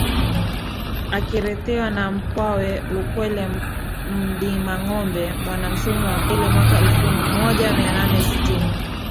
akirithiwa na mpwawe Lukwele Mdimangombe Mwanamsumi wa pili mwaka elfu moja mia nane sitini